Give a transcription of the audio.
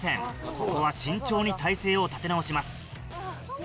ここは慎重に体勢を立て直します。